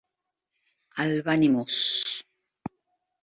Albany Mus.